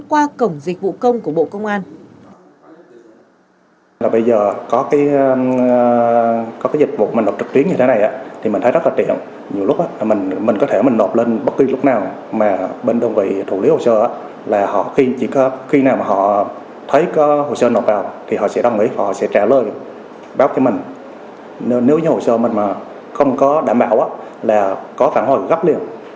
qua cổng dịch vụ công của bộ công an